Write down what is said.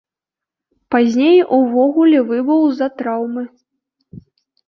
Пазней увогуле выбыў з-за траўмы.